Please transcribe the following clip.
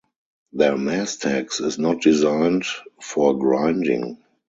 Their mastax is not designed for grinding.